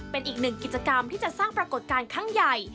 เป็นอีกหนึ่งกิจกรรมที่จะสร้างปรากฏการณ์ครั้งใหญ่